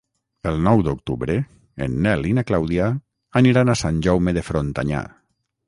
El nou d'octubre en Nel i na Clàudia aniran a Sant Jaume de Frontanyà.